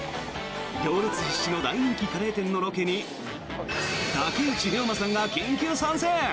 行列必至の大人気カレー店のロケに竹内涼真さんが緊急参戦！